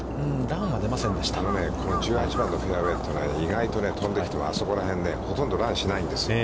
このフェアウェイというのは、意外と飛んできてあそこら辺、ほとんどランしないんですよね。